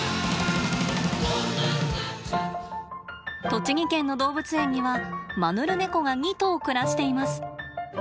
栃木県の動物園にはマヌルネコが２頭暮らしています。